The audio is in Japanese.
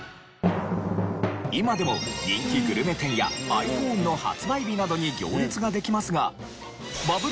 今でも人気グルメ店やｉＰｈｏｎｅの発売日などに行列ができますが。